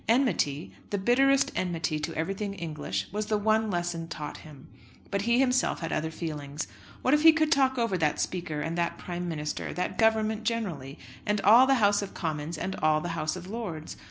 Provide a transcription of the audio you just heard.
Enmity, the bitterest enmity to everything English, was the one lesson taught him. But he himself had other feelings. What if he could talk over that Speaker, and that Prime Minister, that Government generally, and all the House of Commons, and all the House of Lords!